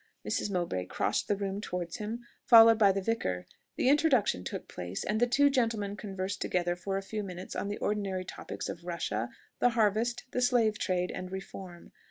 Mrs. Mowbray crossed the room towards him, followed by the vicar. The introduction took place, and the two gentlemen conversed together for a few minutes on the ordinary topics of Russia, the harvest, the slave trade, and reform.